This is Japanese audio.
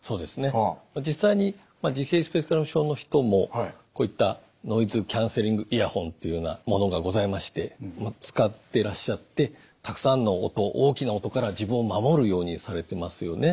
実際に自閉スペクトラム症の人もこういったノイズキャンセリングイヤホンっていうようなものがございまして使ってらっしゃってたくさんの音大きな音から自分を守るようにされてますよね。